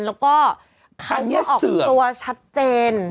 แล้วก็เขาก็ออกตัวชัดเจน